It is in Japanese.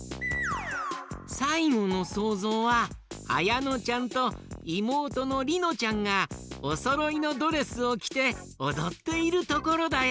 さいごのそうぞうはあやのちゃんといもうとのりのちゃんがおそろいのドレスをきておどっているところだよ。